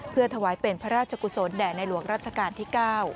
เพื่อถวายเป็นพระราชกุศลแด่ในหลวงรัชกาลที่๙